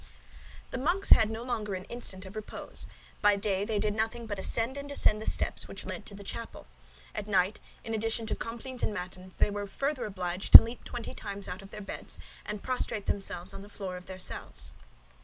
The monks had no longer an instant of repose. By day they did nothing but ascend and descend the steps which led to the chapel; at night, in addition to complines and matins, they were further obliged to leap twenty times out of their beds and prostrate themselves on the floor of their cells.